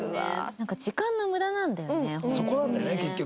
そこなんだよね結局。